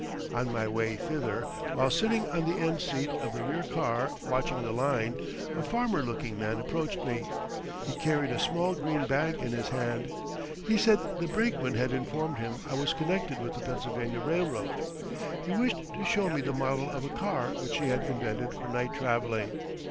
On my way thither, while sitting on the end seat of the rear car watching the line, a farmer looking man approached me. He carried a small green bag in his hand. He said the brakeman had informed him I was connected with the Pennsylvania Railroad. He wished to show me the model of a car which he had invented for night traveling.